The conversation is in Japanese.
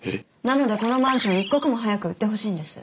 なのでこのマンション一刻も早く売ってほしいんです。